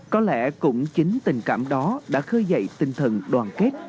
có lẽ cũng chính tình cảm đó đã khơi dậy tinh thần đoàn kết